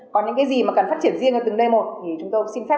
còn những cái gì mà cần phát triển riêng ở từng nơi một thì chúng tôi xin phép